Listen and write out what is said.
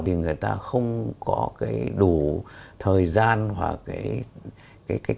thì người ta không có cái đủ thời gian hoặc cái